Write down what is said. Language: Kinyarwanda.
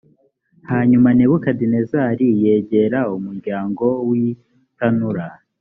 hanyuma nebukadinezari yegera umuryango w itanura